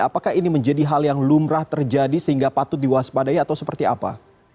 apakah ini menjadi hal yang lumrah terjadi sehingga patut diwaspadai atau seperti apa